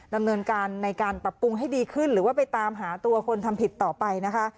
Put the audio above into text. ดำเนินการในการปรับปรุงให้ดีขึ้นหรือว่าไปตามหาตัวคนทำผิดต่อไปนะคะ